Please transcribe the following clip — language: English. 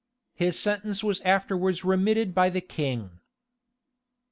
His sentence was afterwards remitted by the king.